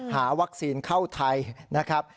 หาวัคซีนเข้าไทยนะครับ